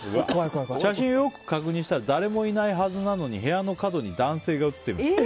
写真をよく確認したら誰もいないはずなのに部屋の角に男性が写っている。